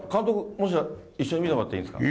もしや、一緒に見てもらっていいですか？